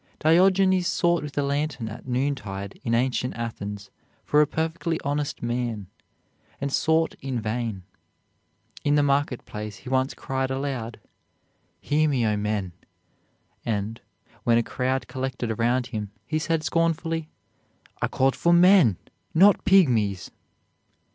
Diogenes sought with a lantern at noontide in ancient Athens for a perfectly honest man, and sought in vain. In the market place he once cried aloud, "Hear me, O men"; and, when a crowd collected around him, he said scornfully: "I called for men, not pygmies."